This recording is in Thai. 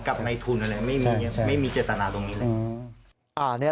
กับในทุนอะไรไม่มีเจตนาตรงนี้เลย